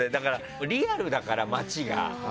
リアルだから、街が。